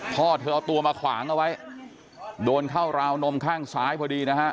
พ่อเธอเอาตัวมาขวางเอาไว้โดนเข้าราวนมข้างซ้ายพอดีนะฮะ